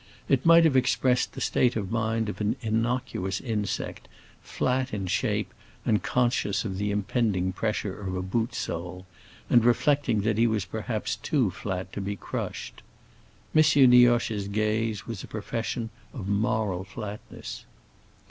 It might have expressed the state of mind of an innocuous insect, flat in shape and conscious of the impending pressure of a boot sole, and reflecting that he was perhaps too flat to be crushed. M. Nioche's gaze was a profession of moral flatness.